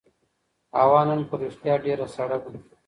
هوا نن په رښتیا ډېره سړه ده.